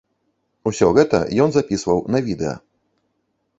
Усё гэта ён запісваў на відэа.